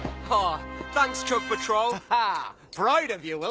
ああ。